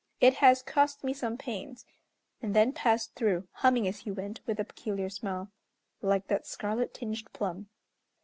It has cost me some pains," and then passed through, humming as he went, with a peculiar smile, "Like that scarlet tinged plum."